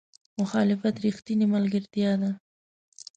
مخالفت رښتینې ملګرتیا ده.